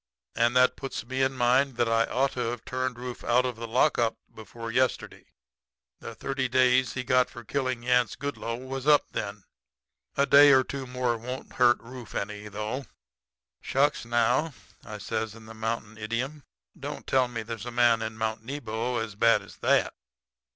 And that puts me in mind that I ought to have turned Rufe out of the lockup before yesterday. The thirty days he got for killin' Yance Goodloe was up then. A day or two more won't hurt Rufe any, though.' "'Shucks, now,' says I, in the mountain idiom, 'don't tell me there's a man in Mount Nebo as bad as that.'